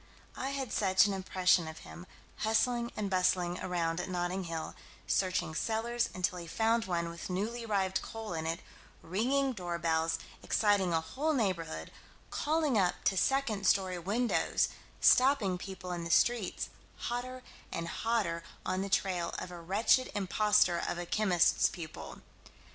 I had such an impression of him hustling and bustling around at Notting Hill, searching cellars until he found one with newly arrived coal in it; ringing door bells, exciting a whole neighborhood, calling up to second story windows, stopping people in the streets, hotter and hotter on the trail of a wretched imposter of a chemist's pupil.